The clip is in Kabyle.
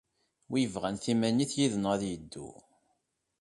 Wi bɣan timanit yid-neɣ ad yeddu!